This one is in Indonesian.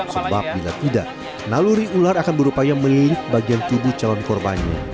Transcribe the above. sebab bila tidak naluri ular akan berupaya melilit bagian tubuh calon korbannya